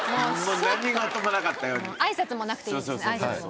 あいさつもなくていいですねあいさつも。